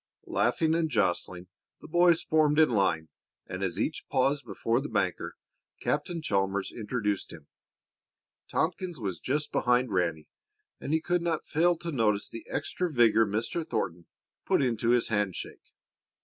Laughing and jostling, the boys formed in line, and as each paused before the banker, Captain Chalmers introduced him. Tompkins was just behind Ranny, and he could not fail to notice the extra vigor Mr. Thornton put into his handshake.